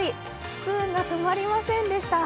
スプーンが止まりませんでした。